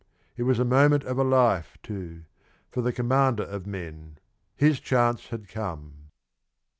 It was the moment of a life, too, for the commander of men. His chance had come.